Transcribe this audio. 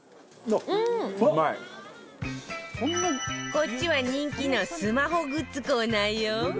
こっちは人気のスマホグッズコーナーよ